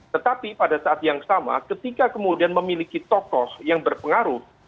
tetapi pada saat yang sama ketika kemudian memiliki tokoh yang berpengaruh